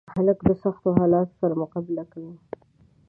هلک د سختو حالاتو سره مقابله کوي.